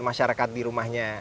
masyarakat di rumahnya